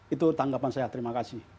itu tanggapan saya terima kasih